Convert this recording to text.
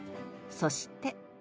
そして。